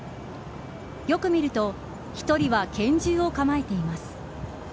よく見ると１人は拳銃を構えています。